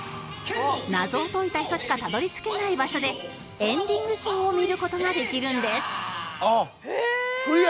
謎を解いた人しかたどり着けない場所でエンディングショーを見る事ができるんです